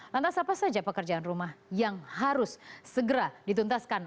lantas apa saja pekerjaan rumah yang harus segera dituntaskan